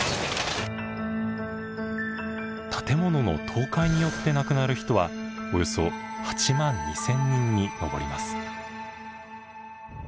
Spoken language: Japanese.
建物の倒壊によって亡くなる人はおよそ８万２，０００人に上ります。